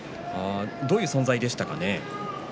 どういう存在でしたかね？